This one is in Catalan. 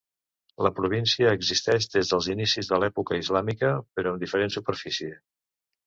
La província existeix des dels inicis de l'època islàmica però amb diferent superfície.